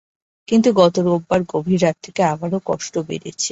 কিন্তু গত রোববার গভীর রাত থেকে আবারও কষ্ট বেড়েছে।